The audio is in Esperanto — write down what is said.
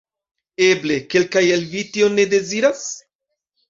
Eble, kelkaj el vi tion ne deziras?